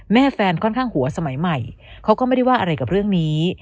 แฟนค่อนข้างหัวสมัยใหม่เขาก็ไม่ได้ว่าอะไรกับเรื่องนี้